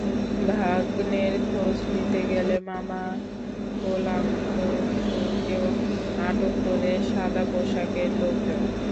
ভাগনের খোঁজ নিতে গেলে মামা গোলাম রসূলকেও আটক করে সাদাপোশাকের লোকজন।